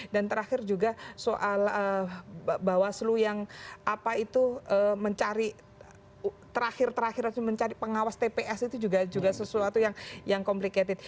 dan terakhir juga soal bawaslu yang apa itu mencari terakhir terakhir mencari pengawas tps itu juga sesuatu yang komplikated